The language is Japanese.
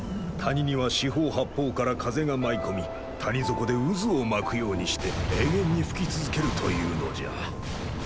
谷には四方八方から風が舞い込み谷底で渦を巻くようにして永遠に吹き続けるというのじゃ。